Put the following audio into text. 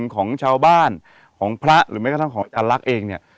ของชาวบ้านของพระหรือแม้กระทั่งของอาจารย์ลักษณ์เองเนี่ย